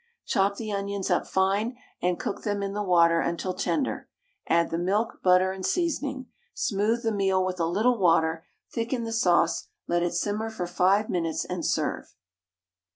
Chop the onions up fine, and cook them in the water until tender, add the milk, butter and seasoning. Smooth the meal with a little water, thicken the sauce, let it simmer for five minutes, and serve.